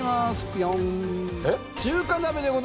ぴょん。